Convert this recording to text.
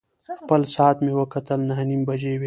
خپل ساعت مې وکتل، نهه نیمې بجې وې.